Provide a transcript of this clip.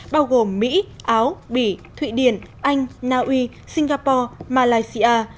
bao gồm mỹ áo bỉ thụy điển anh naui singapore malaysia